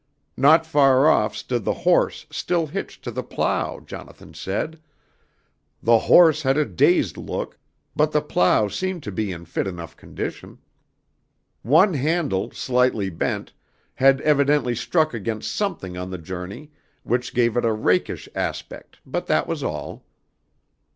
"Not far off stood the horse still hitched to the plough, Jonathan said. The horse had a dazed look, but the plough seemed to be in fit enough condition. One handle, slightly bent, had evidently struck against something on the journey, which gave it a rakish aspect, but that was all."